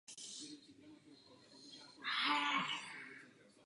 Název dostaly ostrovy podle španělské královny Marie Anny Habsburské.